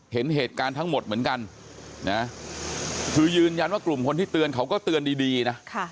เห็นเหตุการณ์ทั้งหมดเหมือนกันนะคือยืนยันว่ากลุ่มคนที่เตือนเขาก็เตือนดีนะ